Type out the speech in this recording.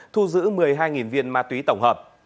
thu giữ một mươi hai viên ma túy tổng hợp